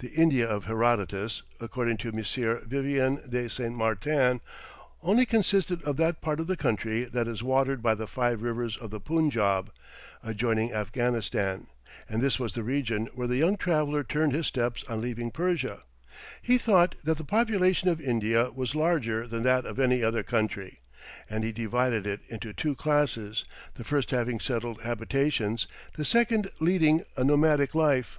The India of Herodotus, according to M. Vivien de St. Martin, only consisted of that part of the country that is watered by the five rivers of the Punjaub, adjoining Afghanistan, and this was the region where the young traveller turned his steps on leaving Persia. He thought that the population of India was larger than that of any other country, and he divided it into two classes, the first having settled habitations, the second leading a nomadic life.